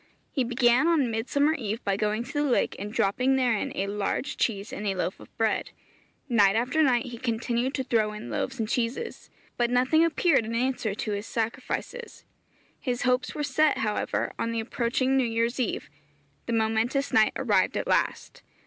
He began on Midsummer eve by going to the lake and dropping therein a large cheese and a loaf of bread. Night after night he continued to throw in loaves and cheeses, but nothing appeared in answer to his sacrifices. His hopes were set, however, on the approaching New Year's eve. The momentous night arrived at last.